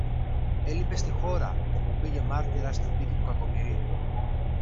Έλειπε στη χώρα όπου πήγε μάρτυρας στη δίκη του Κακομοιρίδη